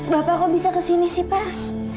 bapak kok bisa kesini sih pak